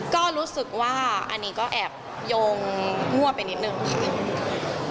ก็รู้สึกว่าอันนี้ก็แอบโยงมั่วไปนิดนึง